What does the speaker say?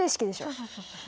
そうそうそうそう。